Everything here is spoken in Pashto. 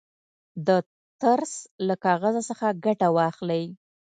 د ترس له کاغذ څخه ګټه واخلئ.